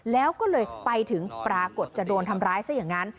แล้วก็เลยไปถึงปรากฏจะโดนทำร้ายซะอย่างนั้น